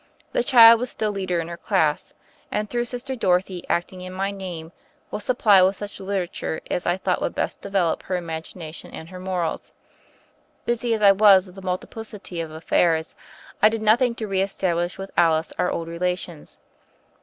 The child was still leader in her class, and, through Sister Dorothy acting in my name, was supplied with such literature as I thought would best develop her imagination and her morals. Busy as I was with a multiplicity of affairs, I did nothing to re establish with Alice our old relations.